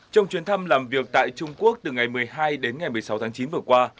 trong chuyến thăm làm việc tại trung quốc từ ngày một mươi hai đến ngày một mươi sáu tháng chín vừa qua